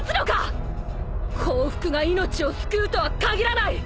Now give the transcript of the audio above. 降伏が命を救うとは限らない！